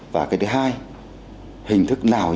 và cái thứ hai